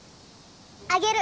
あげる。